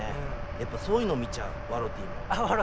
やっぱそういうの見ちゃうワロティも。